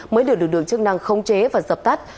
mới được được chức năng không chế và dập tắt